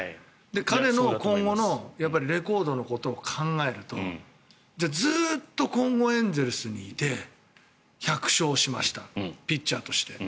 彼の今後のレコードのことを考えるとじゃあ、ずっと今後エンゼルスにいて１００勝しましたピッチャーとして。